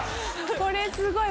これすごい！